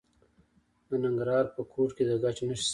د ننګرهار په کوټ کې د ګچ نښې شته.